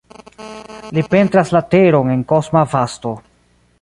Li pentras la teron en kosma vasto.